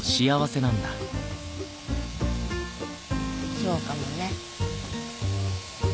そうかもね。